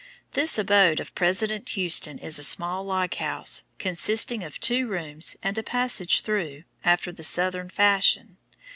This abode of President Houston is a small log house, consisting of two rooms, and a passage through, after the southern fashion.